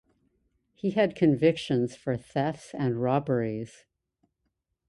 He had convictions for thefts and robberies.